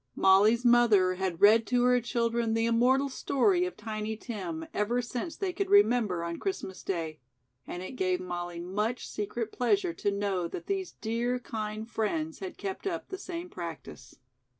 Molly's mother had read to her children the immortal story of "Tiny Tim" ever since they could remember on Christmas day, and it gave Molly much secret pleasure to know that these dear kind friends had kept up the same practice.